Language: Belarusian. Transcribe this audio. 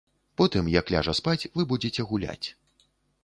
Потым, як ляжа спаць, вы будзеце гуляць.